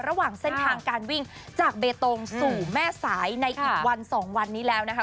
ระหว่างเส้นทางการวิ่งจากเบตงสู่แม่สายในอีกวันสองวันนี้แล้วนะคะ